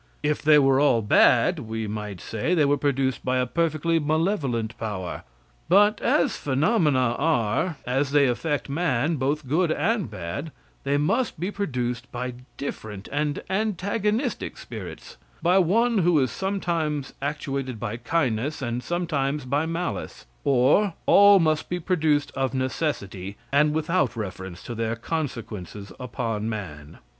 If they were all bad, we, might say they were produced by a perfectly malevolent power; but as phenomena are, as they affect man, both good and bad, they must be produced by different and antagonistic spirits; by one who is sometimes actuated by kindness, and sometimes by malice; or all must be produced of necessity, and without reference to their consequences upon man.